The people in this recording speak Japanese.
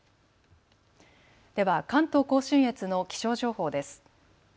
では関東甲信越の気象情報です。